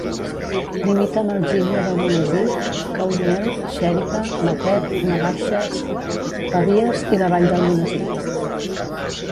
Limita amb Algímia d'Almonesir, Caudiel, Xèrica, Matet, Navaixes, Pavies i La Vall d'Almonesir.